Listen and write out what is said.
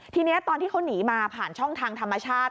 ทีนี้ตอนที่เขาหนีมาผ่านช่องทางธรรมชาติ